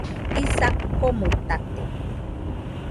Jisa komuitate